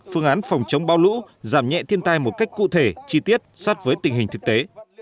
phương án phòng chống bão lũ giảm nhẹ thiên tai một cách cụ thể chi tiết sát với tình hình thực tế